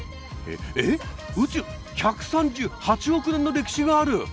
えっ宇宙１３８億年の歴史がある！